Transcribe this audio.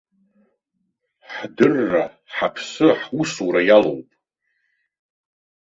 Ҳдырра, ҳаԥсы, ҳусура иалоуп.